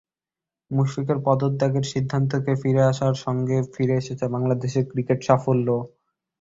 মুশফিকের পদত্যাগের সিদ্ধান্ত থেকে ফিরে আসার সঙ্গে ফিরে এসেছে বাংলাদেশের ক্রিকেটের সাফল্যও।